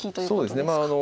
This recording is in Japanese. そうですね。